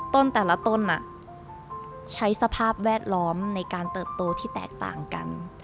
แต่ละต้นใช้สภาพแวดล้อมในการเติบโตที่แตกต่างกัน